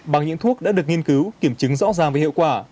bằng những thuốc đã được nghiên cứu kiểm chứng rõ ràng và hiệu quả